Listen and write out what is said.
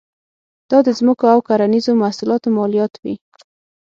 دا د ځمکو او کرنیزو محصولاتو مالیات وې.